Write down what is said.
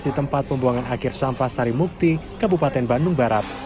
di tempat pembuangan akhir sampah sarimukti kabupaten bandung barat